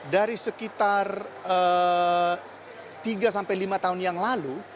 dari sekitar tiga sampai lima tahun yang lalu